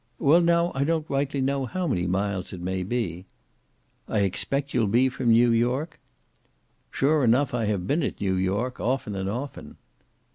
"Well, now, I don't rightly know how many miles it may be." "I expect you'll be from New York?" "Sure enough I have been at New York, often and often."